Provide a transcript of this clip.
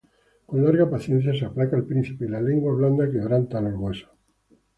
Con larga paciencia se aplaca el príncipe; Y la lengua blanda quebranta los huesos.